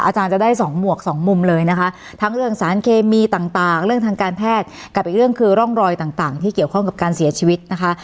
อาจารย์จะได้สองหมวกสองมุมเลยนะคะทั้งเรื่องสารเคมีต่างเรื่องทางการแพทย์กับอีกเรื่องคือร่องรอยต่างที่เกี่ยวข้องกับการเสียชีวิตนะคะ